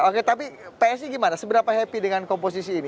oke tapi psi gimana seberapa happy dengan komposisi ini